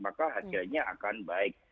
maka hasilnya akan baik